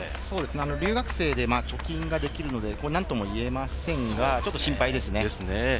留学生で貯金ができるので何とも言えませんが、ちょっと心配ですね。